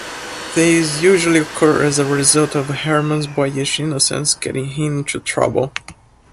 These usually occur as a result of Herman's boyish innocence getting him into trouble.